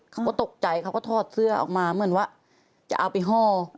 เขาก็ตกใจเขาก็ถอดเสื้อออกมาเหมือนว่าจะเอาไปห้อ